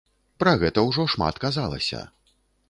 Пра гэта ўжо шмат казалася.